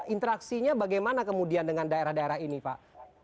interaksinya bagaimana kemudian dengan daerah daerah ini pak